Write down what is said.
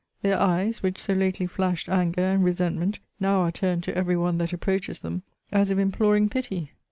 Their eyes, which so lately flashed anger and resentment, now are turned to every one that approaches them, as if imploring pity!